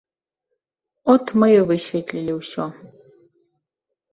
От мы і высветлілі ўсё.